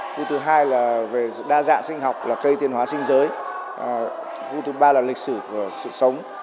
khu thứ hai là về đa dạng sinh học là cây tiên hóa sinh giới khu thứ ba là lịch sử của sự sống